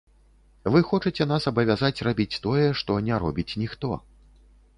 Вы хочаце нас абавязаць рабіць тое, што не робіць ніхто.